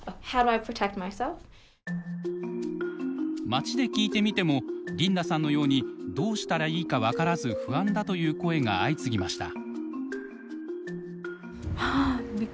街で聞いてみてもリンダさんのようにどうしたらいいか分からず不安だという声が相次ぎました。